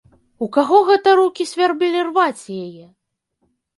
У каго гэта рукі свярбелі рваць яе?